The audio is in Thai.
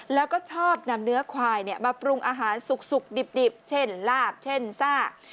แล้วก็ชอบนำเนื้อควายมาปรุงอาหารสุกดิบเช่นลาบเช่นซ่า